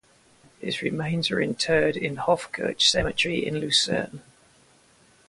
His remains were interred in the Hofkirche cemetery in Lucerne.